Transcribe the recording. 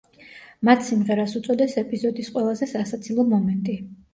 მათ სიმღერას უწოდეს ეპიზოდის ყველაზე სასაცილო მომენტი.